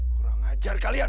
kurang ajar kalian